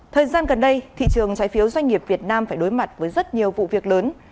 thời gian gần đây thị trường trái phiếu doanh nghiệp việt nam phải đối mặt với rất nhiều vụ việc lớn